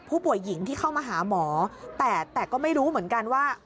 ผู้หญิงที่เข้ามาหาหมอแต่แต่ก็ไม่รู้เหมือนกันว่า